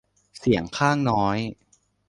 เสียงข้างน้อย